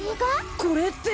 これって。